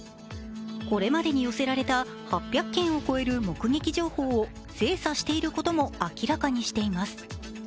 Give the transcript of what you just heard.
これまでに寄せられた８００件を超える目撃情報を精査していることも明らかにしています。